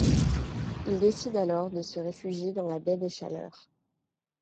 Il décide alors de se réfugier dans la baie des Chaleurs.